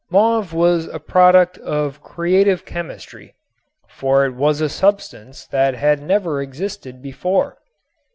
Mauve was a product of creative chemistry, for it was a substance that had never existed before.